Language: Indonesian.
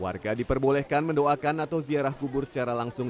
warga diperbolehkan mendoakan atau ziarah kubur secara langsung